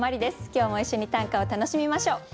今日も一緒に短歌を楽しみましょう。